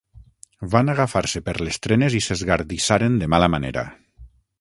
Van agafar-se per les trenes i s'esgardissaren de mala manera.